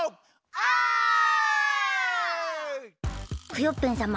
クヨッペンさま